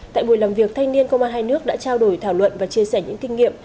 tại buổi làm việc thanh niên công an hai nước đã trao đổi thảo luận và chia sẻ những kinh nghiệm